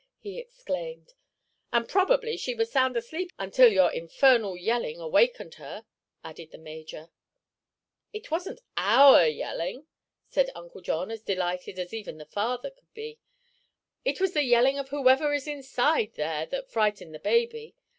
he exclaimed. "And probably she was sound asleep until your infernal yelling awakened her," added the major. "It wasn't our yelling," said Uncle John, as delighted as even the father could be; "it was the yelling of whoever is inside, there, that frightened the baby.